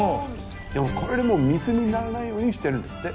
でもこれでも密にならないようにしてるんですって。